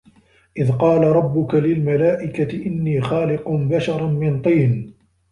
إِذ قالَ رَبُّكَ لِلمَلائِكَةِ إِنّي خالِقٌ بَشَرًا مِن طينٍ